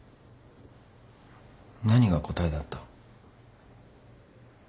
何が答えだった？